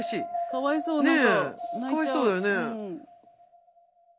かわいそうだよね。